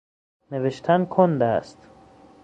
نوشتن کند است